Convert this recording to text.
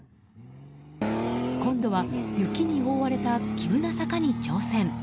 今度は雪に覆われた急な坂に挑戦。